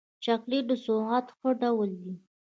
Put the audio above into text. چاکلېټ د سوغات ښه ډول دی.